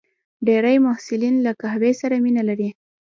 ډېری محصلین له قهوې سره مینه لري.